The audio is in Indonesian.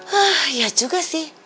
hah ya juga sih